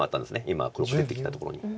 今黒が出てきたところに。